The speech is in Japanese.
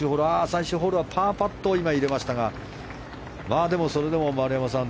最終ホールはパーパットを今入れましたがでも、丸山さん